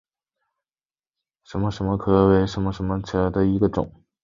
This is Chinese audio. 拟褐圆盾介壳虫为盾介壳虫科褐圆盾介壳虫属下的一个种。